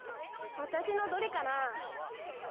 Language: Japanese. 私のどれかな？